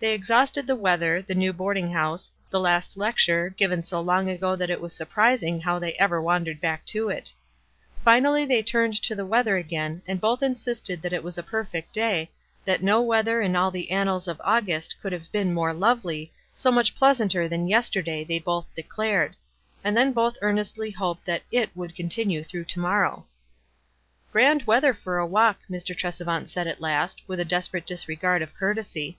They exhausted the weather, the new boarding house, the last lecture, given so long ago that it was surprising how they ever wandered back to it. Finally they returned to the weather again, and both insisted that it was a perfect day, that no weather in all the annals of August could have been more lovely, so much pleasanter than yesterday, they both declared ; and then both earnestly hoped that "it" would continue through to morrow. WISE AND OTHERWISE. li)iJ "Grand weather for a walk," Mr. Tresevant said at last, with a desperate disregard of cour tesy.